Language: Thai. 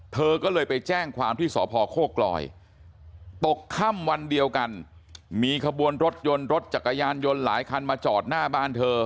เธอก็เลยไปแจ้งความที่สพโคกลอยตกค่ำวันเดียวกันมีขบวนรถยนต์รถจักรยานยนต์หลายคันมาจอดหน้าบ้านเธอ